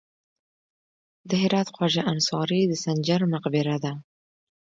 د هرات خواجه انصاري د سنجر مقبره ده